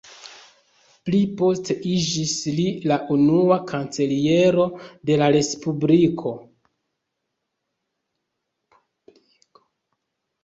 Pli poste iĝis li la unua kanceliero de la respubliko.